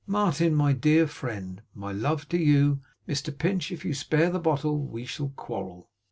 Martin, my dear friend, my love to you! Mr Pinch, if you spare the bottle we shall quarrel.